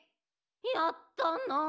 ・やったなあ！